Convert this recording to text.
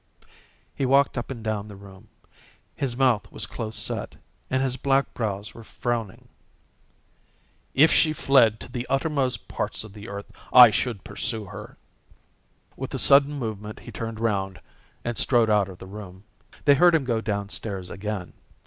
He walked up and down the room. His mouth was close set, and his black brows were frowning. "If she fled to the uttermost parts of the earth I should pursue her." With a sudden movement he turned round and strode out of the room. They heard him go downstairs again.